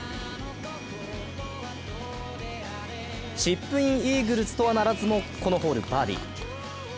チップインイーグルとはならずも、このホール、バーディー。